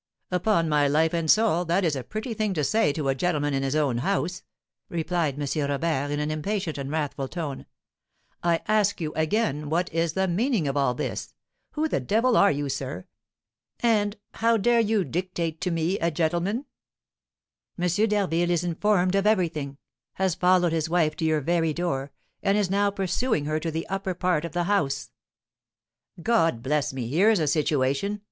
"Upon my life and soul, that is a pretty thing to say to a gentleman in his own house," replied M. Robert in an impatient and wrathful tone. "I ask you, again, what is the meaning of all this? Who the devil are you, sir? And how dare you dictate to me, a gentleman?" "M. d'Harville is informed of everything, has followed his wife to your very door, and is now pursuing her to the upper part of the house." "God bless me! Here's a situation!"